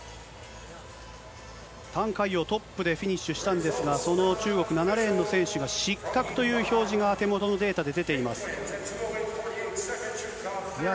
タン海洋、トップでフィニッシュしたんですが、その中国、７レーンの選手が失格という表示が、手元のデータで出ています。